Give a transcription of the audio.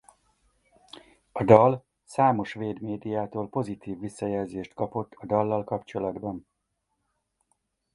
A dal számos svéd médiától pozitív visszajelzést kapott a dallal kapcsolatban.